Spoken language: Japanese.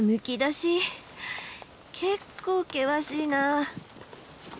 結構険しいな。